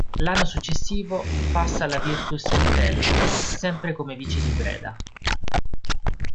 L'anno successivo, passa alla Virtus Entella, sempre come vice di Breda.